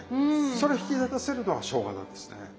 それを引き立たせるのがしょうがなんですね。